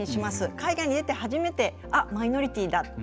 海外に出て初めてあっ、マイノリティーだって。